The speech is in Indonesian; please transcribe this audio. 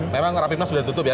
memang rapimnas sudah ditutup ya